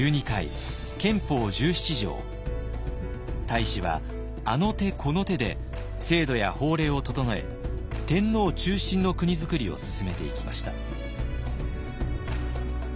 太子はあの手この手で制度や法令を整え天皇中心の国づくりを進めていきました。